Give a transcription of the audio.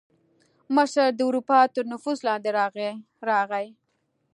مصر د اروپا تر نفوذ لاندې راغی.